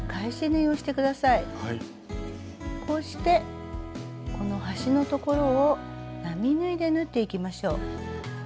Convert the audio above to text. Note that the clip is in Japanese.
こうしてこの端の所を並縫いで縫っていきましょう。